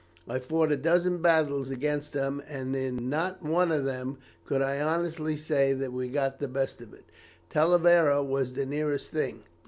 I fought a dozen battles against them, and in not one of them could I honestly say that we got the best of it. Talavera was the nearest thing.